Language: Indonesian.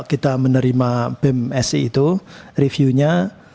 kita menerima bem si itu reviewnya